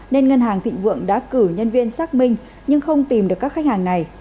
nên ngân hàng thịnh vượng đã cử nhân viên xác minh nhưng không tìm được các khách hàng này